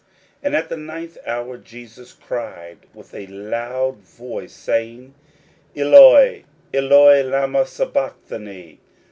41:015:034 And at the ninth hour Jesus cried with a loud voice, saying, Eloi, Eloi, lama sabachthani?